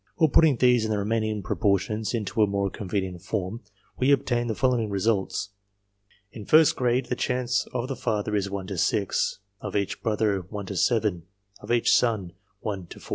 Or, putting these and the remaining proportions into a more convenient form, we obtain the following results. In first grade : the chance of the father is 1 to 6 ; of each brother, 1 to 7 ; of each son, 1 to 4.